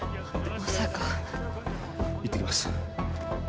まさか行ってきます